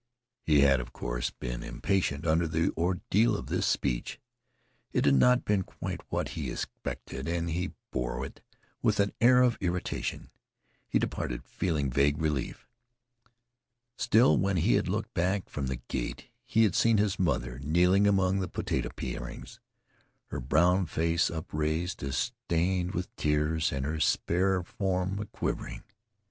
He had, of course, been impatient under the ordeal of this speech. It had not been quite what he expected, and he had borne it with an air of irritation. He departed feeling vague relief. Still, when he had looked back from the gate, he had seen his mother kneeling among the potato parings. Her brown face, upraised, was stained with tears, and her spare form was quivering.